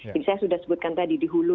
jadi saya sudah sebutkan tadi di hulu